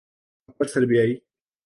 اپر سربیائی